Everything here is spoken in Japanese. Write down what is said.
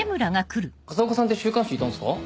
風岡さんって週刊誌にいたんすか？